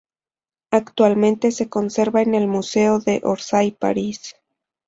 Actualmente se conserva en el Museo de Orsay, París.